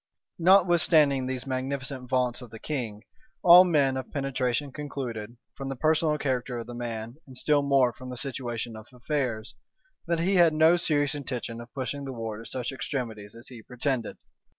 Notwithstanding these magnificent vaunts of the king, all men of penetration concluded, from the personal character of the man, and still more from the situation of affairs, that he had no serious intention of pushing the war to such extremities as he pretended.